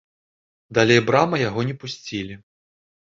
Далей брамы яго не пусцілі.